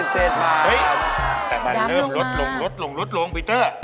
แต่มันเริ่มลดลงลดลงลดลงปีเตอร์